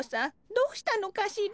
どうしたのかしら。